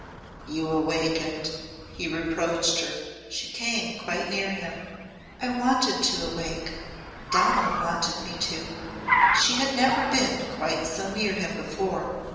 "You awakened," he reproached her. She came quite near him. "I wanted to awake. Donal wanted me to." She had never been quite so near him before.